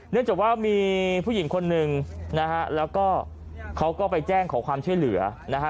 เนื่องจากว่ามีผู้หญิงคนหนึ่งนะฮะแล้วก็เขาก็ไปแจ้งขอความช่วยเหลือนะฮะ